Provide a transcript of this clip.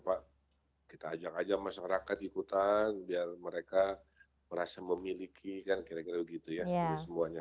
pak kita ajak aja masyarakat ikutan biar mereka merasa memiliki kan kira kira begitu ya ini semuanya